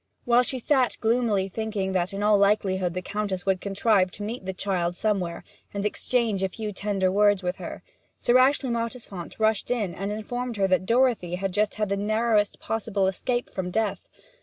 While she sat gloomily thinking that in all likelihood the Countess would contrive to meet the child somewhere, and exchange a few tender words with her, Sir Ashley Mottisfont rushed in and informed her that Dorothy had just had the narrowest possible escape from death.